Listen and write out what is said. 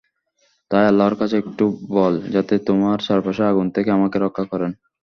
তাই আল্লাহর কাছে একটু বল, যাতে তোমার চারপাশের আগুন থেকে আমাকে রক্ষা করেন।